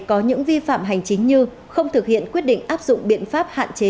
có những vi phạm hành chính như không thực hiện quyết định áp dụng biện pháp hạn chế